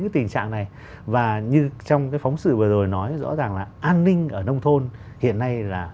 cái tình trạng này và như trong cái phóng sự vừa rồi nói rõ ràng là an ninh ở nông thôn hiện nay là